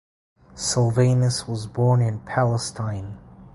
Silvanus was born in Palestine.